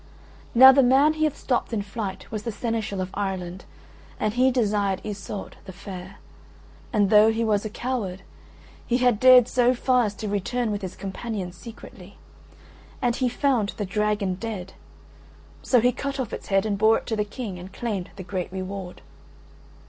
Now the man he had stopped in flight was the Seneschal of Ireland and he desired Iseult the Fair: and though he was a coward, he had dared so far as to return with his companions secretly, and he found the dragon dead; so he cut off its head and bore it to the King, and claimed the great reward.